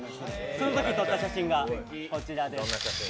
そのときの写真がこちらです。